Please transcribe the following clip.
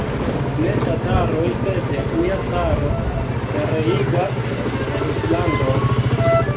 Ne tataroj, sed nia caro pereigas Ruslandon!